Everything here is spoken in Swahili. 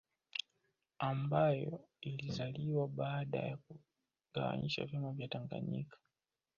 Ambayo ilizaliwa baada ya kuunganisha vyama vya Tanganyika